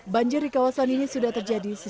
banjir di kawasan ini sudah terjadi